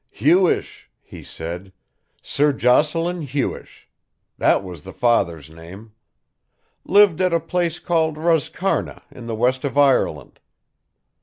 "Hewish," he said. "Sir Jocelyn Hewish. That was the father's name. Lived at a place called Roscarna in the west of Ireland.